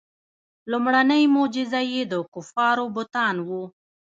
لومړنۍ معجزه یې د کفارو بتان وو.